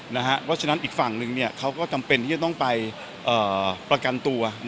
เพราะฉะนั้นอีกฝั่งหนึ่งเขาก็จำเป็นที่จะต้องไปประกันตัว